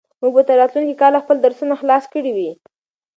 موږ به تر راتلونکي کاله خپل درسونه خلاص کړي وي.